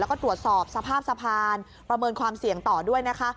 แล้วก็ตรวจสอบสภาพสะพานประเมินความเสี่ยงต่อด้วยนะคะ